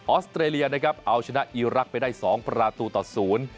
อสเตรเลียนะครับเอาชนะอีรักษ์ไปได้สองประตูต่อศูนย์